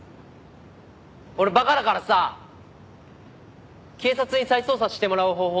俺馬鹿だからさ警察に再捜査してもらう方法